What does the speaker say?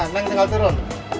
neng tinggal turun